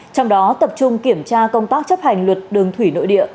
trong đó tập trung kiểm tra công tác chấp hành luật đường thủy nội địa